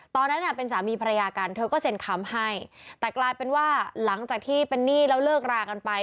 ตอนนั้นเป็นสามีภรรยากันเธอก็เซ็นคำให้แต่กลายเป็นว่าหลังจากที่เป็นหนี้แล้วเลิกรากันไป